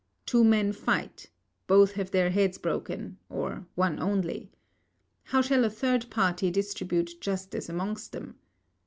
Two men fight; both have their heads broken, or one only. How shall a third party distribute justice amongst them?